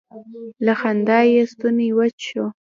له خندا یې ستونی وچ شو.